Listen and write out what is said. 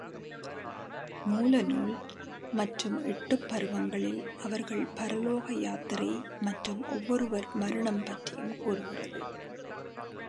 மூல நூல் மற்றும் எட்டுப்பருவங்களில் அவர்கள் பரலோக யாத்திரை மற்றும் ஒவ்வொருவர் மரணம் பற்றியும் கூறுகிறது.